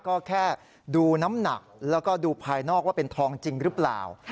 ก็แค่ดูน้ำหนักแล้วก็ดูภายนอกว่าเป็นทองจริงหรือเปล่า